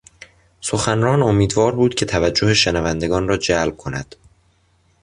سخنران امیدوار بود که توجه شنودگان را جلب کند.